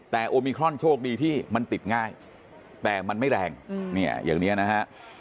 แต่โอมิครอนโชคดีที่มันติดง่ายแต่มันไม่แรงเนี่ยอย่างนี้นะฮะ